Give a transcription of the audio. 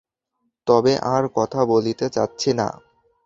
তবে আর কথা বলতে চাচ্ছি না।